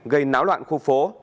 gây náo loạn khu phố